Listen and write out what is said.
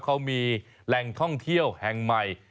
เขามีแหล่งท่องเที่ยวแห่งใหม่